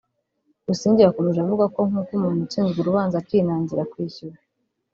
Busingye yakomeje avuga ko nkuko umuntu utsinzwe urubanza akinangira kwishyura